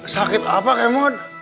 sakit apa kemot